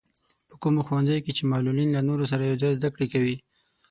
په کومو ښوونځیو کې چې معلولين له نورو سره يوځای زده کړې کوي.